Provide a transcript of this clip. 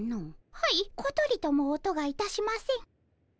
はいことりとも音がいたしません。